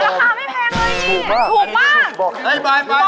ราคาไม่แพงเลยนี่